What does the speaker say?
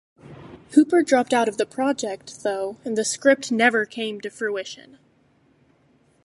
Hooper dropped out of the project, though, and the script never came to fruition.